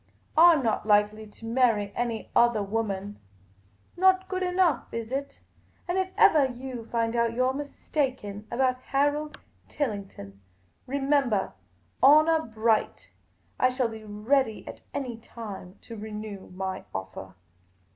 I 'm not likely to marry any othah woman — not good enough, is it? — and if evah you. find out you 're mistaken about Harold Tillington, remembah, honour bright, I shall be ready at any time to renew my ofFah."